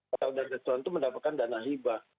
pasal dana kecelakaan itu mendapatkan dana hibah